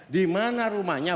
di mana rumahnya